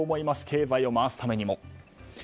経済を回すためにも。